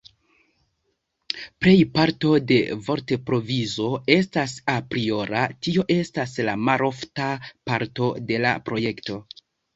Plejparto de vortprovizo estas apriora, tio estas la malforta parto de la projekto.